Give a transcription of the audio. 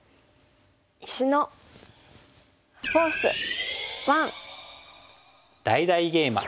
「石のフォース１」。